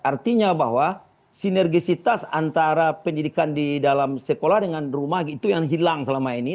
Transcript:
artinya bahwa sinergisitas antara pendidikan di dalam sekolah dengan rumah itu yang hilang selama ini